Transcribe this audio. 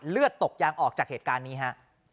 เลือดตกยางออกจากเหตุการณ์นี้ฮะ